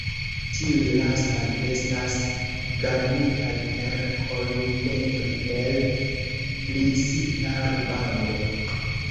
Tiuj lastaj estas garnitaj per kolumetoj el plisita rubando.